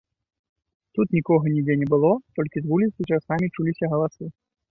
Тут нікога нідзе не было, толькі з вуліцы часамі чуліся галасы.